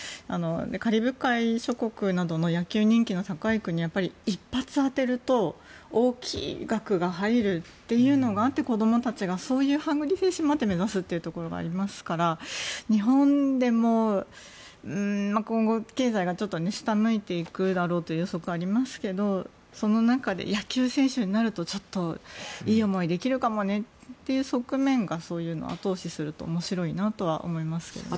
カリブ海諸国などの野球人気の高い国はやっぱり、一発当てると大きい額が入るというのがあって子どもたちがそういうハングリー精神もあって目指すっていうところがありますから日本でも今後、経済がちょっと下向いていくだろうという予測がありますけどその中で野球選手になるとちょっといい思いできるかもねという側面がそういうのを後押しするのは面白いなと思いますけどね。